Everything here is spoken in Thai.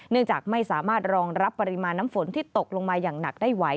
จากไม่สามารถรองรับปริมาณน้ำฝนที่ตกลงมาอย่างหนักได้ไหว